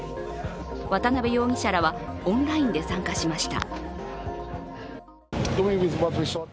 渡辺容疑者らはオンラインで参加しました。